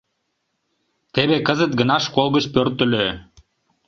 Теве кызыт гына школ гыч пӧртыльӧ.